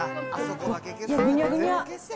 ぐにゃぐにゃ。